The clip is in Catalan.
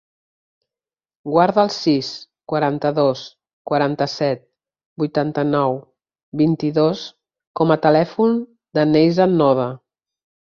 Guarda el sis, quaranta-dos, quaranta-set, vuitanta-nou, vint-i-dos com a telèfon del Neizan Noda.